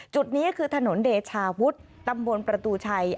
จุดนี้คือถนนเดชาวุฒิตำบลประตูชัย